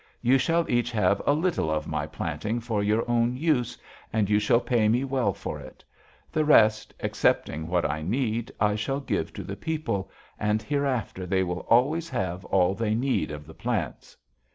You shall each have a little of my planting for your own use, and you shall pay me well for it. The rest, excepting what I need, I shall give to the people, and hereafter they will always have all that they need of the plants.'